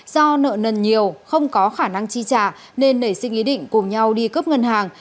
do nợ nần nhiều không có khả năng chi trả nên nảy sinh ý định cùng nhau đi cướp ngân hàng